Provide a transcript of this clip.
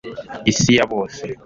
isi ya bose